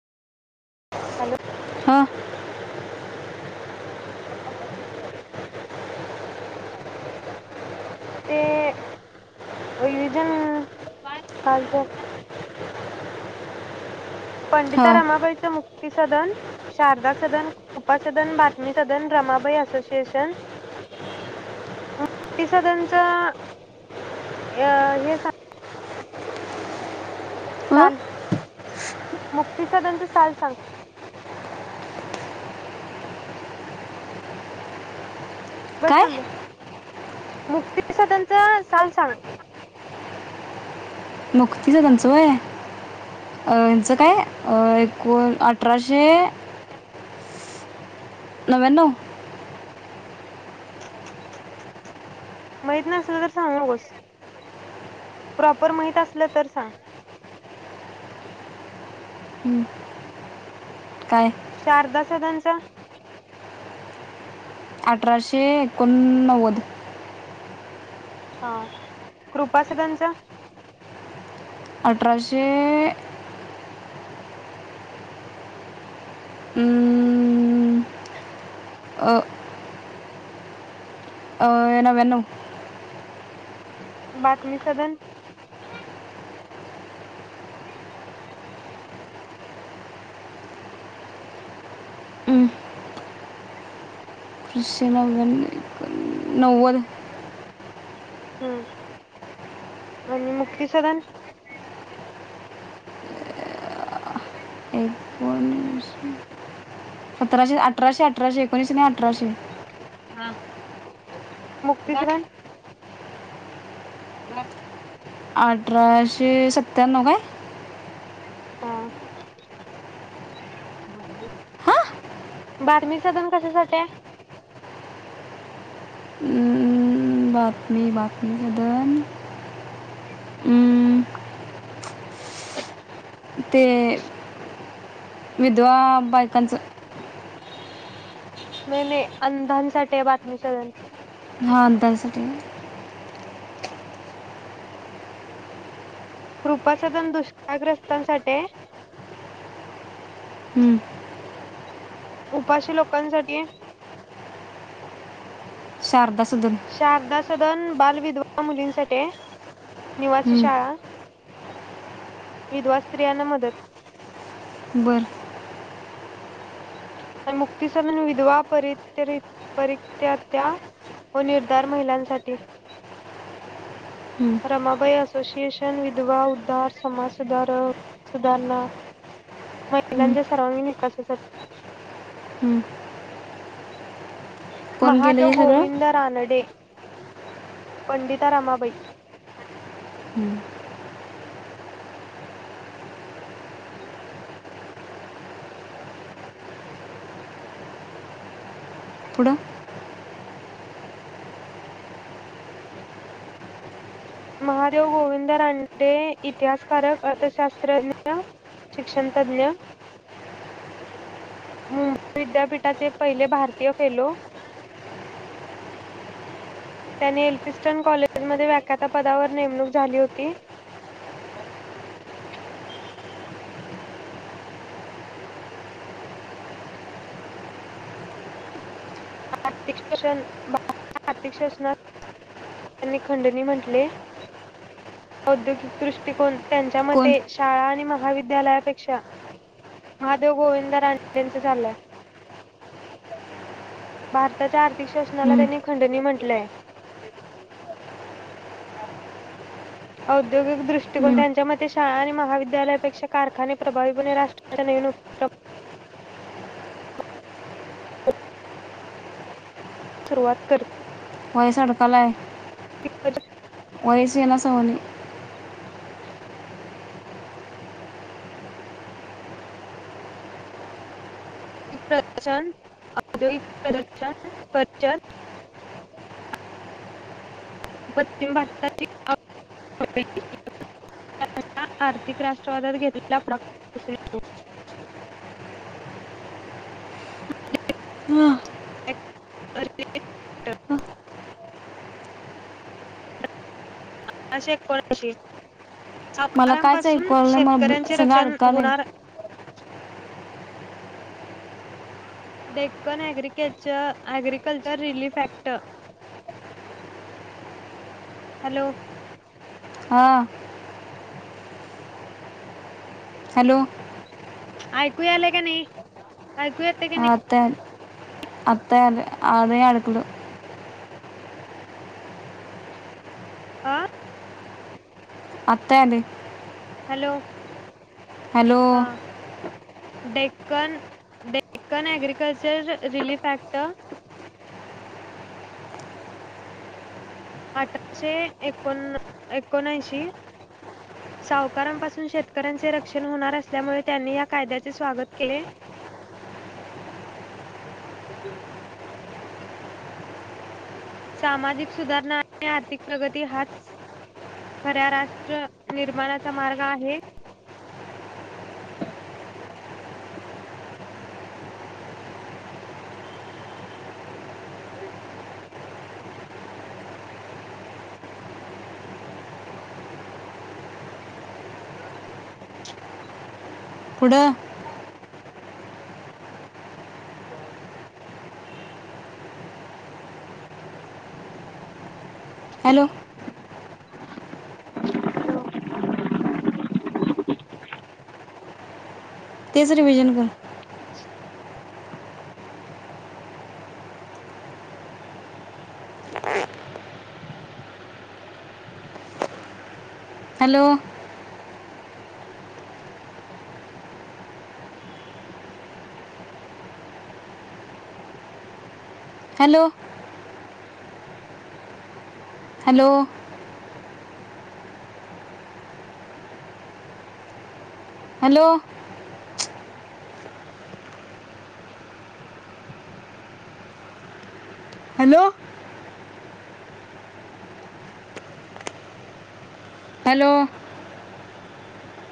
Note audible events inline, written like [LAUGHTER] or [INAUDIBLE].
Hello. हां ते revision कालच. पंडिता हां रामाबाईचा मु ति सदन शारदा सदन कृपासदन बातमी सदन रमाबाई असोसिएशन ति सदनच अ हे स अ साल मुक्तसादांचा साल सांग काय बरताम. मुक्तसादनचा साल सांग. मुक्तिसदन च वय. यांचं काय? अं को आठ आठराशे. नव्यांनो? माहित नसल तर सांगुनगस, प्रॉपर माहित असलं तर सांग. हम्म. शारदा सदांचा. अठराशे एकोणनव्वद. हा कृपा सदनच? अठराशे हं, अ, नवानौं. बातमी सदन? [INAUDIBLE] पशे नक्यांनै, नव्वद. हम्म आणि मुक्ती सदन? एककोन सतराशे अठराशे अठराशे एकोणीस आणि अठराशे. मुक्तीतरण ह [INAUDIBLE] अठराशे सत्त्याण्णव काय? हा बातमी सधन कशासाठी? हं, बातमी, बातमी सदन हं, हम् [INAUDIBLE] ते विधवा बायकांचं नाही नाही अंधांसाठीय बातमी सधण हा तां साठी का? कृपाासदन दुष्काळग्रस्तांसाठीय हम्म उपाशी लोकांसाठी शारद शारदा सद न बालविधवा मुलींसाठीय निवासी हम्म, शाळा विधवा स्त्रीयांना मदत बरं मुक्तीसधन विधवा परित परित त्या व निर्धार महिलांसाठी, हम्म, रमाबाई असोसिएशन विधवा उद्धार समाज सुधारक, सुधारणा हम्म, महिलांच्या सर्वांगीण विकासासाठी हम्म. [INAUDIBLE] कोण केलं महादेव हे सगळं गोविंद रानडे पंडिता रामाबाई हम्म. [INAUDIBLE] [INAUDIBLE] पुढं महादेव गोविंद रांनडे इतिहासकारक अर्थशास्त्रज्ञ शिक्षणतज्ञ, मुंबई विद्यापीठाचे पहिले भारतीय फेलो त्यांनी एल्फिस्टन कॉलेजमध्ये व्याख्याता पदावर नेमणूक झाली होती. आर्थिक शोषण भ आर्थिक शोषणात त्यांनी खंडणी म्हटले औद्योगिक दृष्टिकोन त्यांच्या कोण मते शाळा आणि महा महाविद्यालयापेक्षा महादेव गोविंद रानडेच चाललंय भारताच्या आ आथिॅक शोशनाला हम्म, त्यांनी खंडणी म्हणंट केलेय औद्योगिक दृष्टिकोन हम्म. त्यांच्या मते शाळा आणि महाविद्यालयापेक्षा कारखाने प्रभावीपणे राष्ट्राच्या नवनुत्तम सुरुवात कर व्हय सडतालय [UNINTELLIGIBLE] वयसेना सवनी प्रदर्शन, औद्यगिक प्रदर्शन, प्रतयन पश्चिम भारताची आर्थिक राष्ट्रवादात घेतलेला प्रकाश आहे तो हा, [UNINTELLIGIBLE] आ शेक करची [UNINTELLIGIBLE] मला कायच आकारांपासून ऐकू आलं नाही, मला ब्ल- शेतकऱ्यांचे सगळं रक्षण अडकालंय होणार. Deccan agriculture agriculture relief act. Hello. हा. हॅलो ऐकू आले का नाही. ऐकू येत की नाही. आता आले आवाज ले आता अडकलु. अं आता आले हॅलो. हॅलो हा Deccan Deccan agriculture relief act. अठराशे एकोण एकोणऐंशी सावकारांपासून शेतकऱ्यांचे रक्षण होणार असल्यामुळे, त्यांनी या कायद्याचे स्वागत केले. सामाजिक सुधारणा आणि आर्थिक प्रगती हाच खऱ्या राष्ट्र निर्माणाचा मार्ग आहे. [UNINTELLIGIBLE] काय [UNINTELLIGIBLE] खरं सांग पुढं तुझ्या आईच [INAUDIBLE] हॅलो तेच रिव्हजन कर. Hello hello hello hello hello. Hello